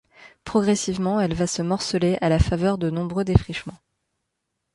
Progressivement elle va se morceler à la faveur de nombreux défrichements.